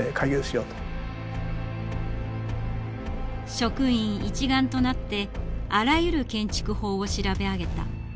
職員一丸となってあらゆる建築法を調べ上げた。